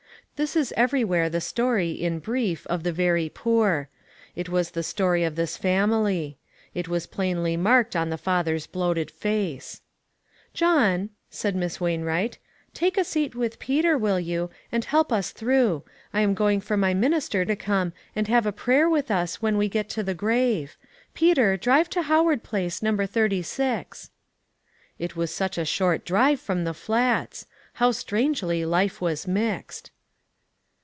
This is everywhere the story, in brief, of the very poor. It was the story of this fam ily. It was plainly marked on the father's bloated face. " John," said Miss Wainwright, " take a THE PROOF OF THE DIVINE HAND. 279 seat with Peter, will you, and help us through. I am going for my minister to come and have a prayer with us when we get to the grave. Peter, drive to Howard Place, No. 36." It was such a short drive from the Flats ! How strangely life was mixed